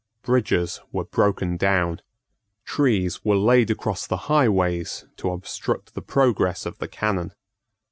Bridges were broken down. Trees were laid across the highways to obstruct the progress of the cannon.